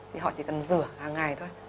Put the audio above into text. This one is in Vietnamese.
thì họ chỉ cần rửa hàng ngày thôi